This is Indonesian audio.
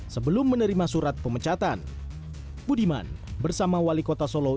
sebelum menerima surat pemecatan budiman bersama wali kota solo